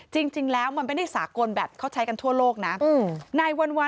จริงแล้วมันไม่ได้สากลแบบเขาใช้กันทั่วโลกนะ